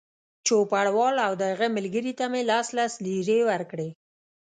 چوپړوال او د هغه ملګري ته مې لس لس لېرې ورکړې.